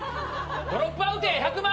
ドロップアウトや１００万！